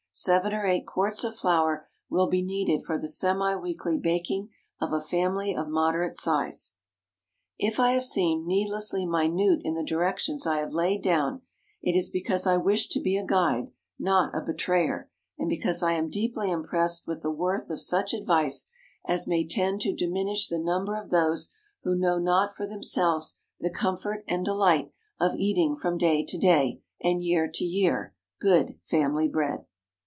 Seven or eight quarts of flour will be needed for the semi weekly baking of a family of moderate size. If I have seemed needlessly minute in the directions I have laid down, it is because I wish to be a guide, not a betrayer, and because I am deeply impressed with the worth of such advice as may tend to diminish the number of those who know not for themselves the comfort and delight of eating from day to day, and year to year, good family bread.